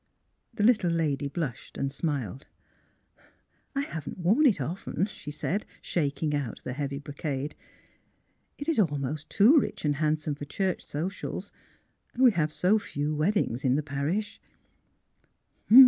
The little lady blushed and smiled. I haven't worn it often," she said, shaking out the heavy brocade. *' It is almost too rich and handsome for church socials, and we have so few weddings in the parish."